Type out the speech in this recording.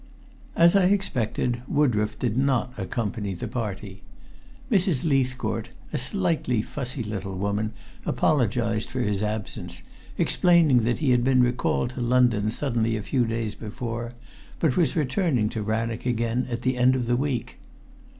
As I expected, Woodroffe did not accompany the party. Mrs. Leithcourt, a slightly fussy little woman, apologized for his absence, explaining that he had been recalled to London suddenly a few days before, but was returning to Rannoch again at the end of the week.